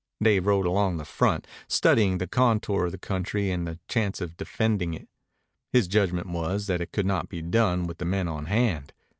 Dave rode along the front, studying the contour of the country and the chance of defending it. His judgment was that it could not be done with the men on hand.